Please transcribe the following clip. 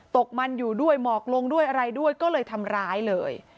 ตกมันอยู่ด้วยหมอกลงด้วยอะไรด้วยก็เลยทำร้ายเลย